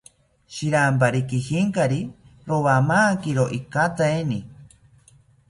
Shirampari kijinkari, rowamakiro ikateini